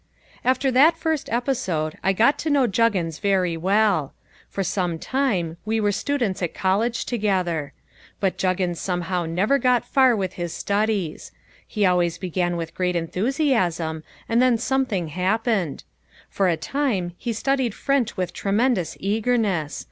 After that first episode I got to know Juggins very well. For some time we were students at college together. But Juggins somehow never got far with his studies. He always began with great enthusiasm and then something happened. For a time he studied French with tremendous eagerness.